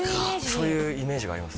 そういうイメージがありますね